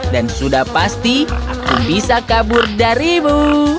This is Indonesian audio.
dan sudah pasti aku bisa kabur darimu